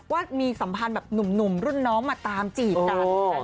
ว่ามีสัมพันธ์แบบหนุ่มรุ่นน้องมาตามจีบกัน